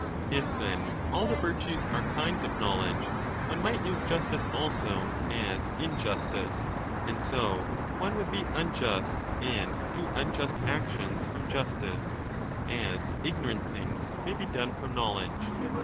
If, then, all the virtues are kinds of knowledge, one might use justice also as injustice, and so one would be unjust and do unjust actions from justice, as ignorant things may be done from knowledge.